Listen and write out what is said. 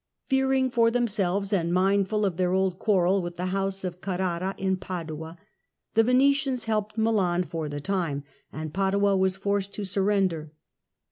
Fearing for themselves, and mindful of their old quarrel with the house of Carrara in Padua, the Venetians helped Milan for the time, and Padua was forced to surrender.